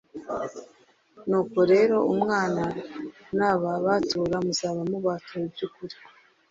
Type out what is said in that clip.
«Nuko rero Umwana nababatura, muzaba mubatuwe by'ukuri.»